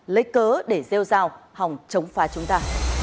lấy cớ để rêu rào hòng chống phá chúng ta